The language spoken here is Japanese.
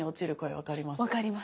分かります。